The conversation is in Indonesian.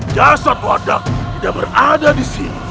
jasad wadah tidak berada di sini